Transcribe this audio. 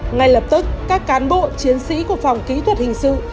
ngay lập tức các cán bộ chiến sĩ của phòng kỹ thuật hình sự